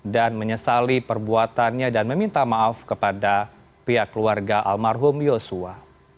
dan menyesali perbuatannya dan meminta maaf kepada pihak keluarga almarhum yosua